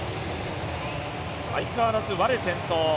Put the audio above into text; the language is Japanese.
相変わらずワレが先頭。